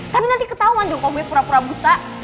tapi nanti ketauan dong kalo gue pura pura buta